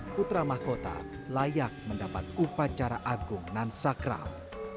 putra mahkota layak mendapat upacara agung nan sakral